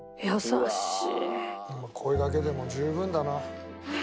これだけでも十分だな。